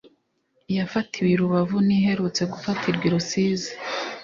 iyafatiwe i Rubavu n’iherutse gutafirwa i Rusizi